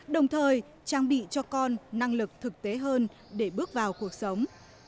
đồng thời trang bị cho con năng lực thực tế hơn để bước vào cuộc sống